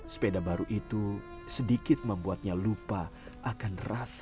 sepeda baru itu sedikit membuatnya lupa akan rasa sakitnya